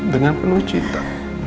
dengan penuh cinta